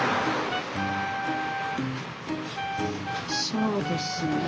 そうですね。